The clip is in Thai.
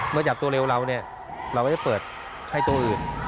เมื่อจับตัวเร็วเราเราจะเปิดให้ตัวอื่น